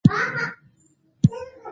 مشهور مورخ میرخوند هم مغول بولي.